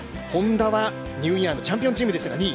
Ｈｏｎｄａはニューイヤーのチャンピオンチームでした。